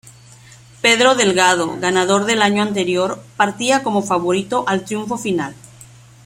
Pedro Delgado, ganador del año anterior, partía como favorito al triunfo final.